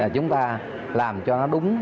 chúng ta làm cho nó đúng